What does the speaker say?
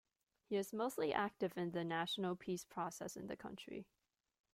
He is mostly active in the National Peace Process in the country.